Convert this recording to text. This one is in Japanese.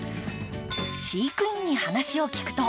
飼育員に話を聞くと